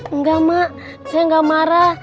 enggak mak saya nggak marah